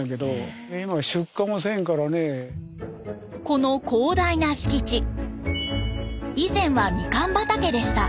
この広大な敷地以前はみかん畑でした。